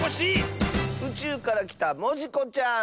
うちゅうからきたモジコちゃん！